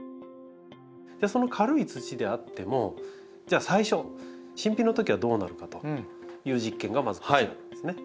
その軽い土であってもじゃあ最初新品のときはどうなるかという実験がまずこちらなんですね。